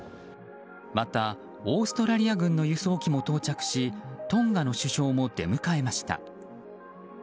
また、オーストラリア軍の輸送機も到着しトンガの首相も出迎えました。